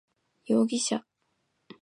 容疑者